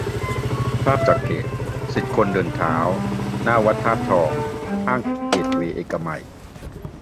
ภาพจากเพจ สิทธิคนเดินเท้า - หน้าวัดธาตุทอง ห้างเกตเวย์เอกมัย